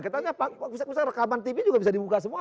katanya pak bisa rekaman tv juga bisa dibuka semua